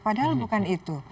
padahal bukan itu